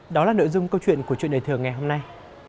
đó là nội dung câu chuyện của chuyện đời thường ngày hôm nay